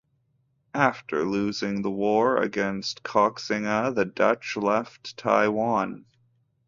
After losing the war against Koxinga, the Dutch left Taiwan.